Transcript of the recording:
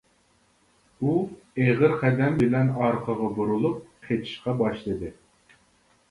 ئۇ ئېغىر قەدەم بىلەن ئارقىغا بۇرۇلۇپ قېچىشقا باشلىدى.